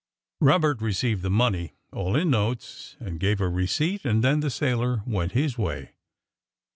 Robert received the money all in notes and gave a receipt; and then the sailor went his way.